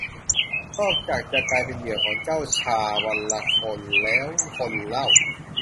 นอกจากกลายเป็นเหยื่อของเจ้าชาละวันคนแล้วคนเล่า